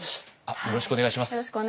よろしくお願いします。